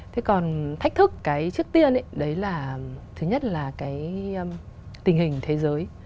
thế còn thách thức cái trước tiên ấy đấy là thứ nhất là cái tình hình thế giới